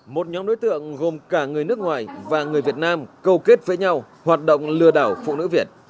một nhóm đối tượng gồm cả người nước ngoài và người việt nam cầu kết với nhau hoạt động lừa đảo phụ nữ việt